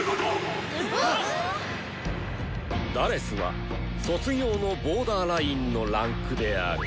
え⁉「４」は卒業のボーダーラインの位階である！